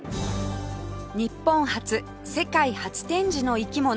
日本初世界初展示の生き物